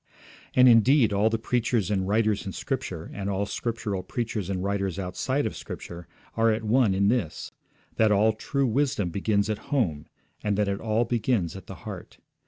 And, indeed, all the preachers and writers in Scripture, and all Scriptural preachers and writers outside of Scripture, are at one in this: that all true wisdom begins at home, and that it all begins at the heart.